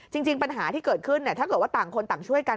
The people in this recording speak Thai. จริงปัญหาที่เกิดขึ้นถ้าเกิดว่าต่างคนต่างช่วยกัน